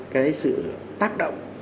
cái sự tác động